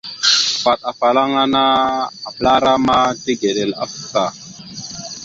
Vvaɗ afalaŋana aɓəlara ma tigəɗal afta.